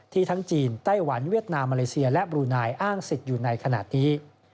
ทั้งจีนไต้หวันเวียดนามมาเลเซียและบรูนายอ้างสิทธิ์อยู่ในขณะนี้